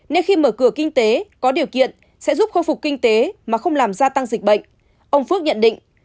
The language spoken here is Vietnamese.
nên khi mở cửa kinh tế có điều kiện sẽ giúp khôi phục kinh tế mà không làm gia tăng dịch bệnh ông phước nhận định